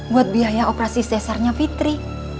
buat biaya operasi cesarnya fitri